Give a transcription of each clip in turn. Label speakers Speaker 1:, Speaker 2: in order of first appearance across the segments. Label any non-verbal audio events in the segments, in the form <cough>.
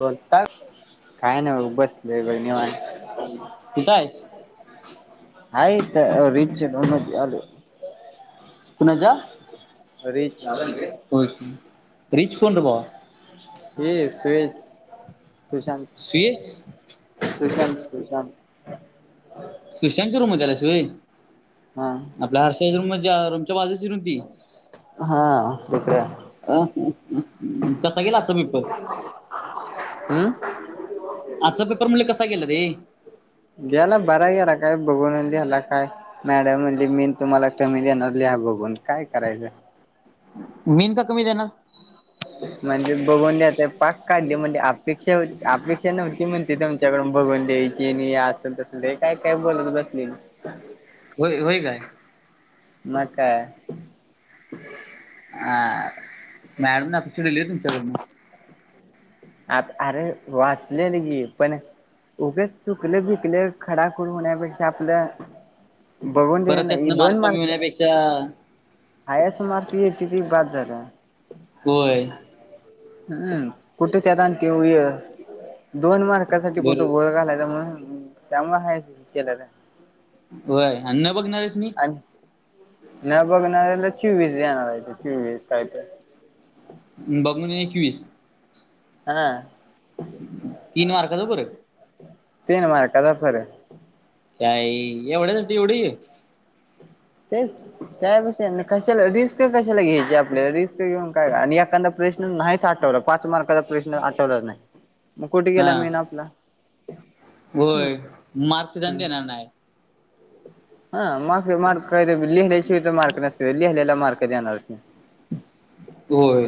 Speaker 1: बोल
Speaker 2: काय
Speaker 1: काय नाही बसले निमाण
Speaker 2: कुठं आहेस
Speaker 1: आऐत रिच नमद आले
Speaker 2: कोुणा जा
Speaker 1: रिच
Speaker 2: रिच कोण र ब
Speaker 1: ये सुच सुशांत
Speaker 2: सुयश
Speaker 1: सुशांत सुशांत
Speaker 2: सुशांतच्या रूम आला सुई
Speaker 1: हा
Speaker 2: आपल्या हरष रूम रूमच्या बाजूची रुम त
Speaker 1: हा तिकडं.
Speaker 2: अ तसा गेला पेपर
Speaker 1: हम्म.
Speaker 2: आजचा पेपर म्हले कसा गेला रे.
Speaker 1: द्यायला बरा गला काय बघूनंद्याला काय. मॅडम म्हणज मी तुम्हाला कमी देणार लिहा बघून काय करायचं.
Speaker 2: मींद तर कमी दे ना.
Speaker 1: म्हणजे बघून द्यायता पाक काढले म्हणजे अपेक्षाती अपेक्षा नव्हती म्हण. ते तुमच्याकडून बघून द्यायची आणि असलस ते काय काय बोलत बसले.
Speaker 2: हो होय काय.
Speaker 1: न काय.
Speaker 2: अ मॅडम नपेक्षडली आहे तुमच्याकडून.
Speaker 1: अरे वाचलेल गी पण. उगे चुकले बिकले खडखर होण्यापेक्षा आपलं. बघवून देले
Speaker 2: परत
Speaker 1: ना
Speaker 2: त्यातनं
Speaker 1: दोन
Speaker 2: मार्क कमी
Speaker 1: मारकर आहे.
Speaker 2: होण्यापेक्षा
Speaker 1: हायस मार्क य ति त बाद झाला.
Speaker 2: होय.
Speaker 1: हम् कुठे त्याता आण कि. दोन मार्कासाठी
Speaker 2: बर
Speaker 1: कुठे गोळ घालायचा म्हणून त्यामु काायच केलं.
Speaker 2: होय आणि न बघणारस मी.
Speaker 1: न बघणार्याला चोवीस जाणार चोवीस काय ते.
Speaker 2: बघून एकवीस.
Speaker 1: हा.
Speaker 2: तीन मारखच बर.
Speaker 1: तीन मार कदा फर.
Speaker 2: काय एवढ्या तट एवढ.
Speaker 1: तेच त्यापष कशाला रिस्क कशाला घ्यायची आपल्याला रिस्क घेऊन काय आणि एखादा प्रे ् नाहीच आठवला पाच मार्काचा प्रश्न आठवलाच नाही मग कुठे गेला
Speaker 2: हा
Speaker 1: मी ना आपला.
Speaker 2: होय मारते जाण देणार नाही.
Speaker 1: हा मग मार्क का लिहिल्याशि तर मार्क नसते. लिहिलेला मार्क देणारती.
Speaker 2: होय.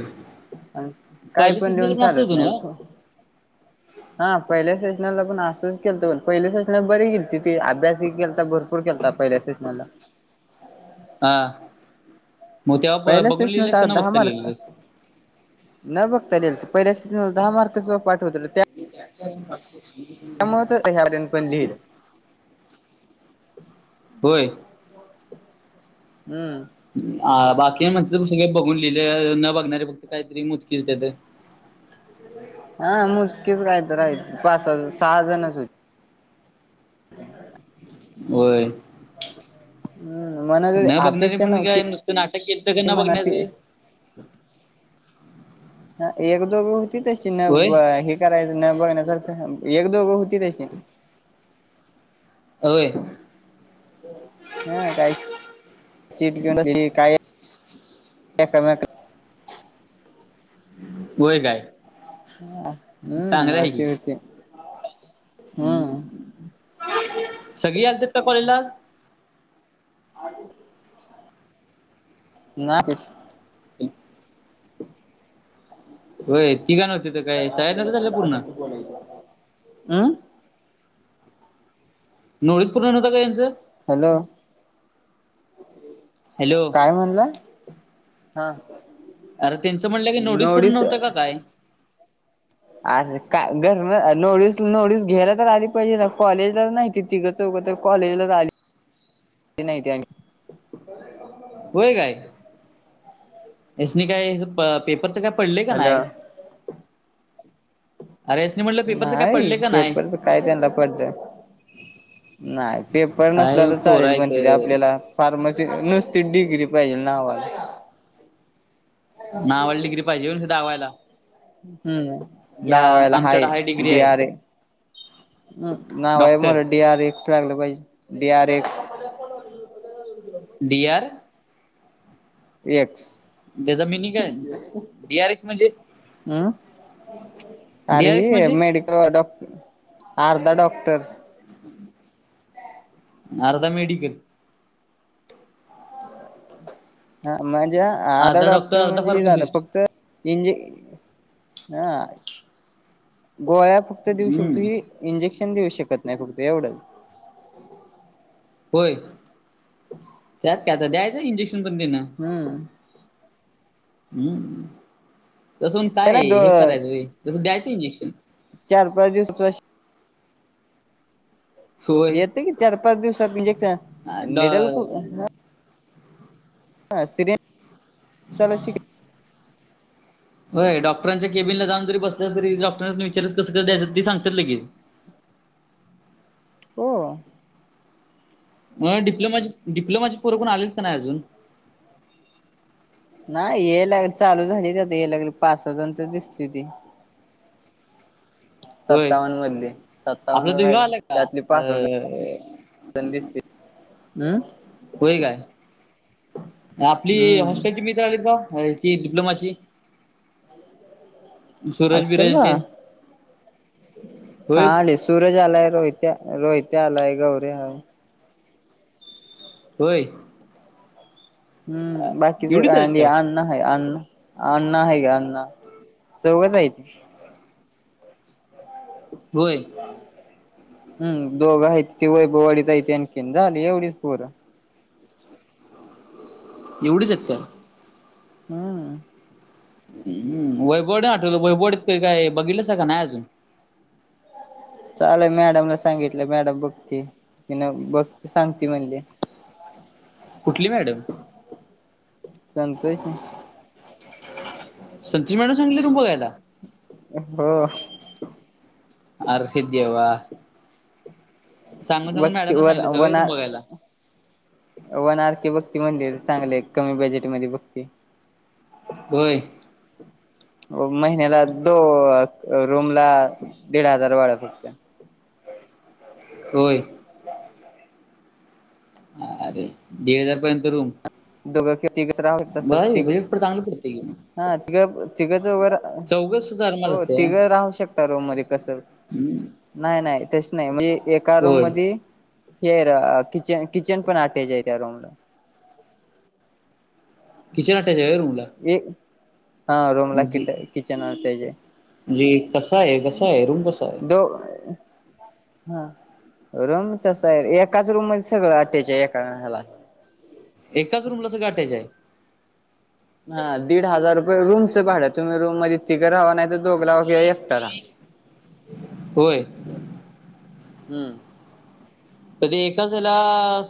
Speaker 1: काय
Speaker 2: पहिल्या
Speaker 1: पण लिहन
Speaker 2: सूचनेला असं
Speaker 1: चालत
Speaker 2: होतं
Speaker 1: नाही
Speaker 2: नव्ह?
Speaker 1: उवठ हा पहिल्या सेशनाला पण असंच केलत पहिल्या सेशनाला बरी गेली तिथ अभ्यासही केला तर बर. ूर खेताात पहिल्यासेच मला.
Speaker 2: हा मग तेव्हा
Speaker 1: पहिल्या
Speaker 2: बघून लिहिले
Speaker 1: सेशनला
Speaker 2: असता ना
Speaker 1: दहा
Speaker 2: बघता
Speaker 1: मार्क
Speaker 2: लिहिलेलं.
Speaker 1: न बघता रल पहिल्या दहा मार्कस पाठवत.
Speaker 2: <unintelligible>
Speaker 1: ण पण ललं.
Speaker 2: होय.
Speaker 1: हम्म.
Speaker 2: हा बाकी म्हणत सगळे बघून लिहिले न बघणारे फक्त काहीतरी मुजकिल त्या.
Speaker 1: हा मुजकेच काय तर आहे पाच हज सहाजणच होते. <unintelligible>
Speaker 2: वय.
Speaker 1: ह.
Speaker 2: न बघणारे पण काय नुसतं नाटक केल तर का न
Speaker 1: म्हणा ती
Speaker 2: बघण्याचं. हम.
Speaker 1: ह एक दोघ होती ते.
Speaker 2: होय.
Speaker 1: करायचं न बघण्यासार एक दोघ होती त्याशी.
Speaker 2: अय.
Speaker 1: हा काहीटे काय
Speaker 2: होय काय.
Speaker 1: ह
Speaker 2: चांगलं
Speaker 1: हम्म
Speaker 2: आहे की
Speaker 1: अशीे होती. हम्म
Speaker 2: सगळी आलत का कॉलेजला
Speaker 1: ना क
Speaker 2: हो
Speaker 1: ह
Speaker 2: हो तिघा नव्हते ते काय साहेर नवतं ललं पूर्ण
Speaker 1: अमं
Speaker 2: नोस पर्णव होता का यांचं
Speaker 1: हॅलो
Speaker 2: हॅलो
Speaker 1: काय म्हणलं हा
Speaker 2: अरे त्यांचं म्हटलं की नोटीस
Speaker 1: नोडीस
Speaker 2: पूणव्हतं काय
Speaker 1: अ का घर नोटस नोटीस घ्यायला तर आली पाहिजे ना कॉलेजला नाही तिथ तिं च उग कॉलेजला आली ते नाही ते
Speaker 2: होय कायसनी काय पेपरच काय पडले का नाही
Speaker 1: हॅलो
Speaker 2: अरे यासनी म्हटलं पेपरच काय
Speaker 1: नाही
Speaker 2: पडलय का नाही
Speaker 1: पेपरच काय त्यांना पडलं नाही पेपर नसल्या
Speaker 2: काय
Speaker 1: तर
Speaker 2: पोर
Speaker 1: चालेल
Speaker 2: हायत
Speaker 1: पण तिथे आपल्याला फार्मसी नुसती डिग्री पाहिजे नावाज
Speaker 2: नावड डि्री पाहिजेण सुद्धावायला
Speaker 1: हम्म दहावाला हाय
Speaker 2: आमच्याकडे डिग्री
Speaker 1: डि
Speaker 2: आहे
Speaker 1: आर ना बाई
Speaker 2: डॉक्टर
Speaker 1: मर डी आर एक्स लागलं पाहिजे डी आर एक्स प्या प
Speaker 2: दिडयर
Speaker 1: यक्स
Speaker 2: त्याचा मिनिंग काय डी आर एक्स म्हणजे
Speaker 1: हम् अर
Speaker 2: डी आर एक्स
Speaker 1: ह
Speaker 2: म्हणजे
Speaker 1: मेडिकल डॉक् अर्धा डॉक्टर
Speaker 2: अर्ता मेडिकल
Speaker 1: ह म्हणजे आधा
Speaker 2: अर्धा
Speaker 1: डॉक्टर
Speaker 2: अर्धा
Speaker 1: म्हणजे हे झालं
Speaker 2: फार्मासिस्ट
Speaker 1: फक्त इंजे हा गोळ्या फक्त देऊ शकतो
Speaker 2: हम्म
Speaker 1: ही इंजेक्शन देऊ शकत नाही फक्त एवढंच
Speaker 2: होय त्यात काय आता द्यायचं इंजेक्शन पण देण
Speaker 1: हम्म
Speaker 2: हम् तसं काय
Speaker 1: त्याला दो
Speaker 2: हे करायचं तसं द्यायचं इंजेक्शन
Speaker 1: चार पाच दिवस
Speaker 2: होय
Speaker 1: येते कि चार पाच दिवसात इंजेक्शन निडल खू िडेंट श
Speaker 2: होय डॉक्टरांच्या केबिन ला जाऊ जरी बसल तरी डॉक्टां विचारच कसं कस दयचं ते सांगात लेच
Speaker 1: हो
Speaker 2: मग डिप्लोमा डिप्लोमाची पुर कोण आलेच ना नाही अजून
Speaker 1: नाही ये लाग चालू झाली आता हे लगल पाच हजार तर दिसते ती
Speaker 2: होय.
Speaker 1: सत्तावन्न मधले सत्तावन्न
Speaker 2: आपला
Speaker 1: का
Speaker 2: तो
Speaker 1: काय
Speaker 2: ह्यो आला का
Speaker 1: त्यातले पाच
Speaker 2: अ
Speaker 1: हजार दिसते हम्म
Speaker 2: होय काय आपली
Speaker 1: हम्म
Speaker 2: हॉस्टेलची मित आली का याची डिप्लोमाची सरज
Speaker 1: हॉस्टेल ला
Speaker 2: बिरांचे
Speaker 1: हा
Speaker 2: होय
Speaker 1: आले सूरज आलाय रोहित्या रोहित्या आलाय गौरे आलाय
Speaker 2: होई
Speaker 1: हम्म बाकीच
Speaker 2: एवढीच आहेत काय?
Speaker 1: अन्न आहे अन्णा अण्णा आहे ग अण्णा चौघचय त
Speaker 2: होय
Speaker 1: हम् दोघं आहे ती वैभवडीत आहे आणखीन झाली एवढीच पुरं
Speaker 2: एवढीच का
Speaker 1: हम्
Speaker 2: हम वैभोडे आठवलं वैभोडी काही काही बघितलच आहे का नाही अजून
Speaker 1: चाल मॅडमला सांगितलं मॅडम बघते कि न बघते सांगते म्हणली
Speaker 2: कुठली मॅडम
Speaker 1: संतोष आहे
Speaker 2: संच मॅड सांगली तू बघायला
Speaker 1: हो
Speaker 2: अर्हितेवा सांगून सांून
Speaker 1: बघते
Speaker 2: मॅडमना
Speaker 1: वर
Speaker 2: सांग सग रूम
Speaker 1: वना
Speaker 2: बघयला
Speaker 1: वन आर के बक्ती मंदिर चांगलेय कमी बजेट मध्ये बघती
Speaker 2: वर
Speaker 1: महिन्याला दो रूम ला दीड हजार वाडा फक्त
Speaker 2: होय अ अरे दीड हजारपर्यंत रूम
Speaker 1: दोघं खेती कच राह
Speaker 2: ब वेळीप तांगली पडत
Speaker 1: हा तिघं तिघंच वगर
Speaker 2: हजार मला
Speaker 1: हो तिघं राहू शकता रोम मध्ये कसं
Speaker 2: हम्
Speaker 1: नाही नाही तेच नाही म्हणजे एका रूम मध हेर किचन किचन पण आटायचे आहे त्या रूमला
Speaker 2: किचन अटॅच आहे रूमला
Speaker 1: ये हा रूम ला
Speaker 2: म्हणजे
Speaker 1: किट किचन त्याजे
Speaker 2: म्हणजे कसा आहे कसा आहे रूम कसा आहे
Speaker 1: दो हा रूम तस आहे एकाच रूम सगळं अटॅच आहे एका हला
Speaker 2: एकाच रूम ला सगळं अटॅच आहे
Speaker 1: हा दीड हजार रुपये रूमच पाड तुम्ही रूम मध्ये तिगर हवा नाही दोघं राहा किंवा एकटा राहा
Speaker 2: होय
Speaker 1: हम्म
Speaker 2: क ते एकाचला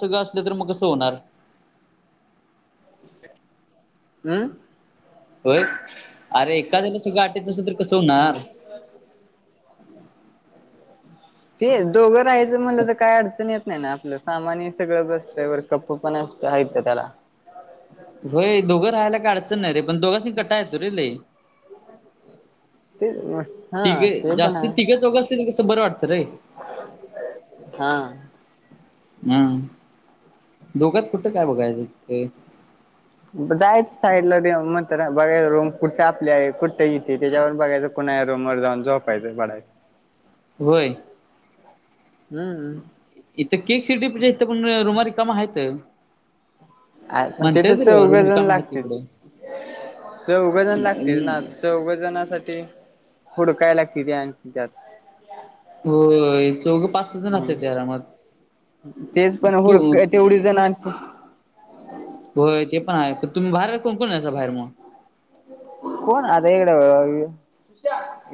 Speaker 2: सुगळं असलं तर मग कसं होणार
Speaker 1: हम्
Speaker 2: होय अरे एखाद्याला सगळं आटेत अस तर कसं होणार
Speaker 1: ते दोघं राहायचं मलं तर काय अडचण येत नाही ना आपलं सामान ह सगळं बसतंय वर कप्प पण असतं आहेितं त्याला
Speaker 2: होय दोघं राहायला काळचं नाही रे पण दोघच कटा येतो रे ल
Speaker 1: ते हा
Speaker 2: तठीिके
Speaker 1: ते पण
Speaker 2: जास्ती
Speaker 1: आहे
Speaker 2: तिके चौघं असतील कसं बरं वाटतं रे
Speaker 1: हा
Speaker 2: हम दोघत कुठं काय बघायचं ते
Speaker 1: जायचं साईडला मग बघायच रूम कुठं आपले आहे कुठं इथे त्याच्यावरून बघायचं कुणा रोमर जाऊन जो पाहिजे बडायच
Speaker 2: वर
Speaker 1: हम्म
Speaker 2: इथं केक सिटी प इथ पण रुमारी कामा आहेत
Speaker 1: पण तेथ
Speaker 2: म्हणताय तर रूम
Speaker 1: चौघजण
Speaker 2: रिकामा आहेत
Speaker 1: लागते
Speaker 2: तिकडं
Speaker 1: चौघ जण लागतील ना चौघ जणसाठी होड काय लागते ते त्यात
Speaker 2: हो चौघं पाच जणत
Speaker 1: हम्म
Speaker 2: ते आरामात
Speaker 1: तेच पण होळ तेवढी जण आण
Speaker 2: होय ते पण आहे प तुम्ही बाहेर कोणकण बाहेर मग
Speaker 1: कोण आता इकडे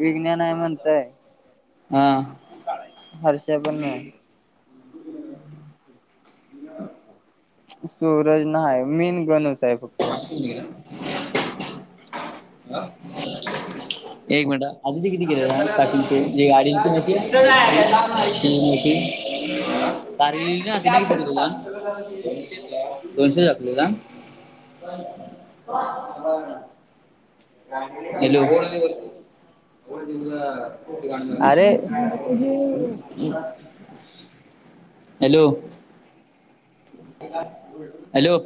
Speaker 1: विज्ञान आहे म्हणतय
Speaker 2: हा.
Speaker 1: हर्ष बन सूरज ना मेन गणच आहे फक्त
Speaker 2: ला. एक मिनटा आधी ज किती केलं
Speaker 1: आमच्या
Speaker 2: जा
Speaker 1: पला
Speaker 2: काटचे जे
Speaker 1: काय
Speaker 2: गाडीची माहिती
Speaker 1: इथं
Speaker 2: आहे त
Speaker 1: जायचं
Speaker 2: माहिती कार ना किती केलेला द दोनशे आपलेला
Speaker 1: हो.
Speaker 2: हॅलो.
Speaker 1: अरे
Speaker 2: हे. हॅलो.
Speaker 1: काढ.
Speaker 2: हॅलो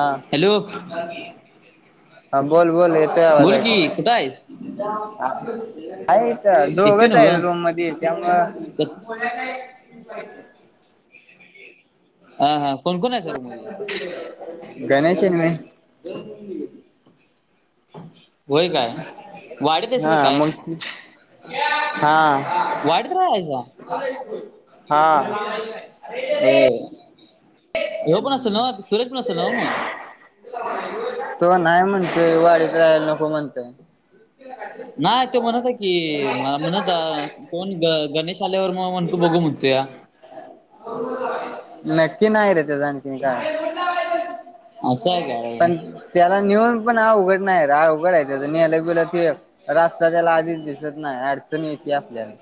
Speaker 1: हा.
Speaker 2: हॅलो
Speaker 1: हा बोल बोल येतोय आवाज
Speaker 2: बोल
Speaker 1: ऐक.
Speaker 2: की कुठं आहेस
Speaker 1: आहेच
Speaker 2: येतोय
Speaker 1: दोघच
Speaker 2: नव्ह
Speaker 1: आहेत रूम मध्ये त्यामुळ
Speaker 2: हा हा कोण कोण आहे सर्व मध्ये
Speaker 1: हम्. गणेश यांनीी तर बली गली.
Speaker 2: होय काय वाढत आहेस का
Speaker 1: हा
Speaker 2: काय?
Speaker 1: मग हा
Speaker 2: वाढत राहायचा.
Speaker 1: हा.
Speaker 2: हो पण असेल ना सुरेश पण असेल ना मग
Speaker 1: तो नाही म्हणतेय वाडीत राहायला नको म्हणताय. ह अ
Speaker 2: नाही तो म्हणत की मला म्हणत कोण ग गणेश आल्यावर म म्हण. बघ मुत्या
Speaker 1: नक्की नाही रे ते जा. तन का
Speaker 2: असं आहे काय
Speaker 1: प त्याला नेऊन पण हा उघड नाही हा उघड आहे त्याच नेलं पिलं ते रात त्याला आधीच दि नाही अडचणी येते आपल्याला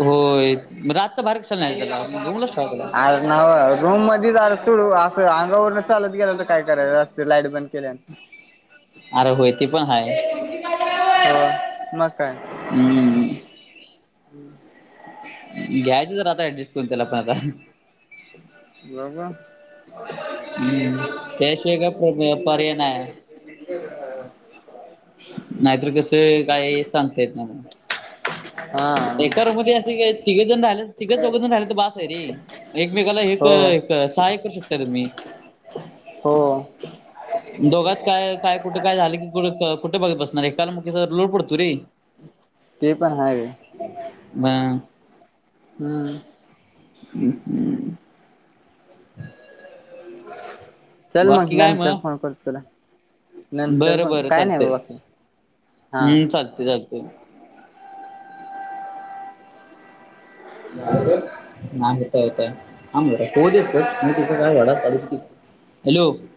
Speaker 2: होय म्हणजे आजचा बाहेर क चल नाही त्याला रुंगलच्टाय त्याला
Speaker 1: नाव रूम मध्ये जालं तुडू असं अंगावरून चालत गेला तर काय करायच असत लाईट बंद. केल्या
Speaker 2: अरे होय ते पण हाय
Speaker 1: मग काय
Speaker 2: हम्.
Speaker 1: हम्म.
Speaker 2: घ्यायचं तर आता ऍडजस्ट करून त्याला पण आता
Speaker 1: बब.
Speaker 2: हम्म त्यास का परय ना. नाहीतर कसं काय सांगतायेत ना म
Speaker 1: हा
Speaker 2: एकर मध्ये असे काय तिकेऊन रालं तिकेच चघून राहिलं तर बास आहे रे एकमेकाला एक
Speaker 1: हो
Speaker 2: सहाय करू शकता तुम्ही?
Speaker 1: हो
Speaker 2: दोघत काय काय कुठे काय झाले की कुठ कुठे बघत बसणार एकालग लोडपडत र
Speaker 1: ते पण हाय रे
Speaker 2: बाां.
Speaker 1: हम्म.
Speaker 2: हम हम्. ह.
Speaker 1: हो. चल मग नंतर फोन कर तुला नंतर
Speaker 2: बरं
Speaker 1: फोन
Speaker 2: बरं
Speaker 1: काय नाही
Speaker 2: चालतंय
Speaker 1: बाबा. हा
Speaker 2: हम्म चालते चालते. <unintelligible> <unintelligible>